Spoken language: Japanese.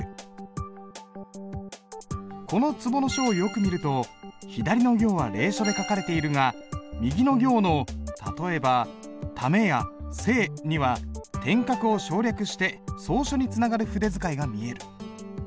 この壷の書をよく見ると左の行は隷書で書かれているが右の行の例えば「為」や「生」には点画を省略して草書につながる筆使いが見える。